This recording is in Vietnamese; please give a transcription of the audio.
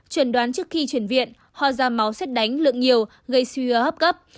chuyển đoán trước khi chuyển viện hò da máu xét đánh lượng nhiều gây suy hứa hấp cấp